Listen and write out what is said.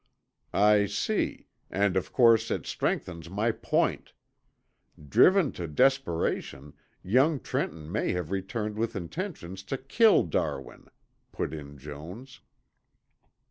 "I see, and of course it strengthens my point. Driven to desperation young Trenton may have returned with intentions to kill Darwin," put in Jones.